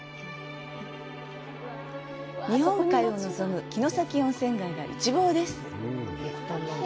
日本海を望む城崎温泉街が一望です。